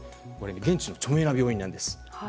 現地の著名な病院なんです。